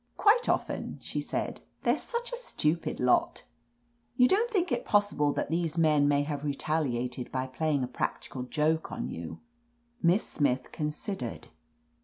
"Quite often," she said. 'They're such a stupid lot." "You don't think it possible that these men may have retaliated by playing a practical joke on you ?" Miss Smith considered.